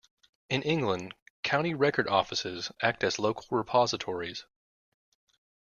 In England, County Record Offices act as local repositories.